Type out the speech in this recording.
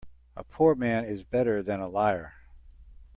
A poor man is better than a liar.